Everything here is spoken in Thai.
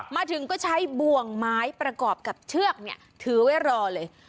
มาถึงก็ใช้บ่วงไม้ประกอบกับเชือกถือไว้รอเลย